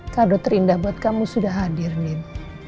kado terindah buat kamu sudah hadir nin